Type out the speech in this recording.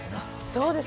そうです。